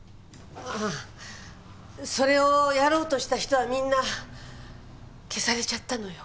ああそれをやろうとした人はみんな消されちゃったのよ。